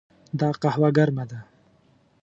دا قهوه ګرمه ده.